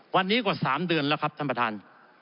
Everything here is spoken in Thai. วันนี้กว่า๓เดือนแล้วครับท่านประธาน